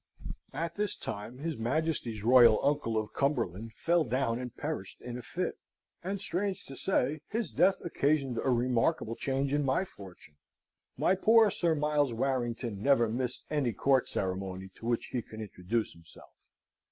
At this time his Majesty's royal uncle of Cumberland fell down and perished in a fit; and, strange to say, his death occasioned a remarkable change in my fortune. My poor Sir Miles Warrington never missed any court ceremony to which he could introduce himself.